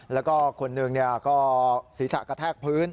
แล้วก็คนหนึ่งก็ศีรษะกระแทกพื้น